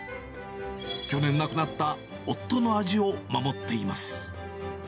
去年亡くなった夫の味を守っています。